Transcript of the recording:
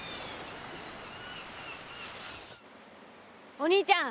お兄ちゃん